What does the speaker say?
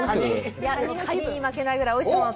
いやカニに負けないぐらいおいしいもの